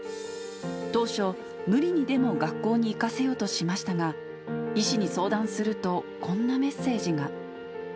当初、無理にでも学校に行かせようとしましたが、医師に相談すると、こんなメッセージが。